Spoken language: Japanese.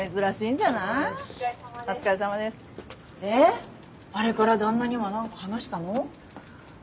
あれから旦那には何か話したの？